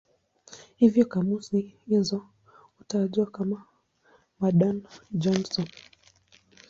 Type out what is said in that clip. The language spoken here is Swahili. Hivyo kamusi hizo hutajwa kama "Madan-Johnson".